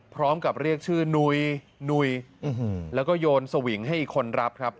พร้อมกับเรียกชื่อนุยแล้วก็โยนสวิงให้อีกคนรับครับ